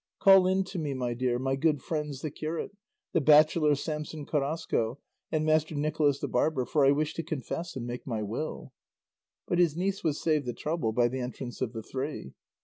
Call in to me, my dear, my good friends the curate, the bachelor Samson Carrasco, and Master Nicholas the barber, for I wish to confess and make my will." But his niece was saved the trouble by the entrance of the three.